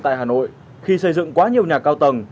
tại hà nội khi xây dựng quá nhiều nhà cao tầng